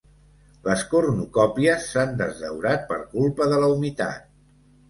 Les cornucòpies s'han desdaurat per culpa de la humitat.